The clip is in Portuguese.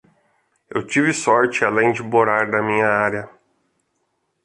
Eu tive sorte além de morar na minha área.